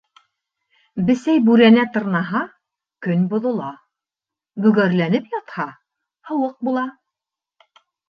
Бесәй бүрәнә тырнаһа, көн боҙола, бөгәрләнеп ятһа, һыуыҡ була.